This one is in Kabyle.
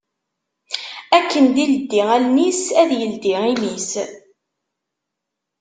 Akken d-ileddi allen-is, ad yeldi imi-s